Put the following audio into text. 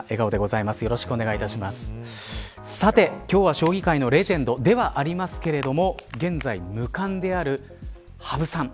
さて今日は将棋界のレジェンドではありますけれども。現在無冠である羽生さん。